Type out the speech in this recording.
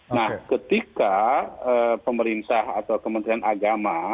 nah ketika pemerintah atau kementerian agama